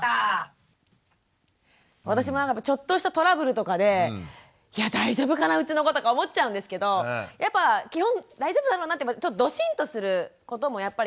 私もちょっとしたトラブルとかでいや大丈夫かなうちの子とか思っちゃうんですけどやっぱ基本大丈夫だろうなってドシンとすることもやっぱり必要ですよね。